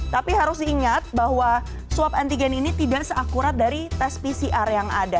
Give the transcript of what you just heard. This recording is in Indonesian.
tapi harus diingat bahwa swab antigen ini tidak seakurat dari tes pcr yang ada